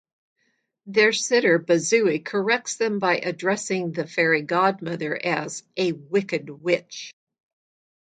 Their sitter, Bazooey corrects them by addressing the fairy godmother as a "wicked witch".